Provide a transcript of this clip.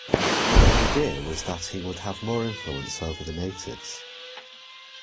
My idea was that he would have more influence over the natives.